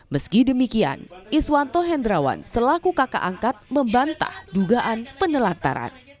meski demikian iswanto hendrawan selaku kakak angkat membantah dugaan penelantaran